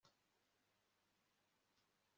Umutwe wa Politiki wagaragaweho uburiganya mu